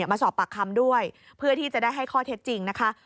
มาสอบปากคำด้วยเพื่อที่จะได้ให้ข้อเท็จจริงนะคะ